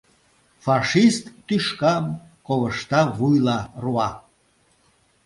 Фашист тӱшкам ковышта вуйла руа.